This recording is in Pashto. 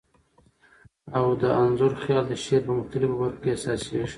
او د انځور خیال د شعر په مختلفو بر خو کي احسا سیږی.